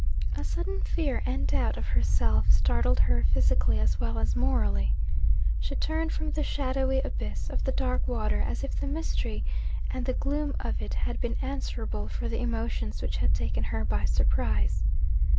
A sudden fear and doubt of herself, startled her physically as well as morally. She turned from the shadowy abyss of the dark water as if the mystery and the gloom of it had been answerable for the emotions which had taken her by surprise.